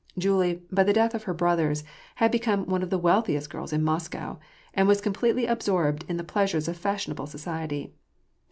Julie, by the death of her brothers, had become one of the wealthiest girls in Moscow, and was completely absorbed in the pleasures of fashionable society.